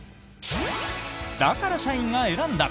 だから社員が選んだ！